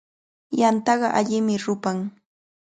Yantaqa allimi rupan.